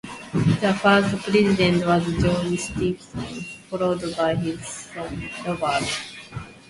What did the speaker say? The first president was George Stephenson, followed by his son Robert.